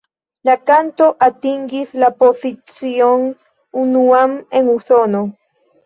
La kanto atingis la pozicion unuan en Usono.